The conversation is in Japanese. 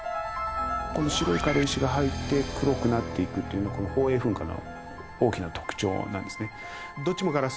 この白い軽石が入って黒くなっていくっていうのは宝永噴火の大きな特徴なんですね。